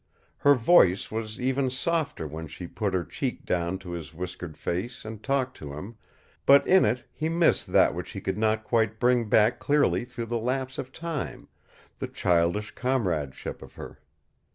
Her voice was even softer when she put her cheek down to his whiskered face and talked to him, but in it he missed that which he could not quite bring back clearly through the lapse of time the childish comradeship of her.